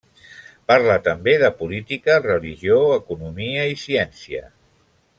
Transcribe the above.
Parla també de política, religió, economia i ciència.